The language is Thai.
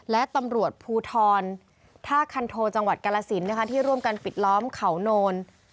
และตำรวจภูทรท่าคันโทจังหวัดกาลสินนะคะที่ร่วมกันปิดล้อมเขาโนน